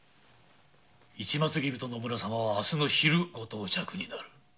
市松君と野村様は明日の昼ご到着になる。